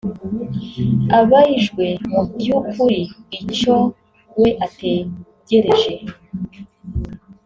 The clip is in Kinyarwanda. Abaijwe mu by’ukuri icyo we ategereje